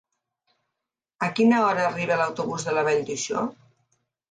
A quina hora arriba l'autobús de la Vall d'Uixó?